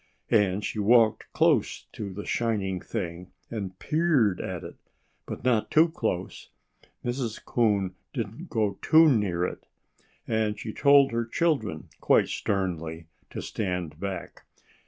And she walked close to the shining thing and peered at it. But not too close! Mrs. Coon didn't go too near it. And she told her children quite sternly to stand back.